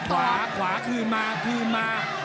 ขวาขวาขึ้นมาขึ้นมา